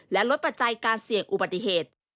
และลดปัจจัยการเสี่ยงอุบัติเหตุ